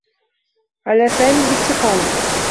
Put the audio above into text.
على سامي الاستقالة.